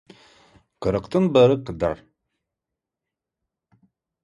Қырықтың бірі — қыдыр.